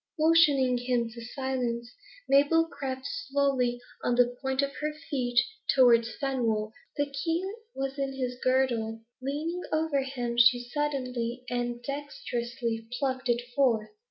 Motioning him to silence, Mabel crept slowly, and on the points of her feet, towards Fenwolf. The key was in his girdle. Leaning over him, she suddenly and dexterously plucked it forth.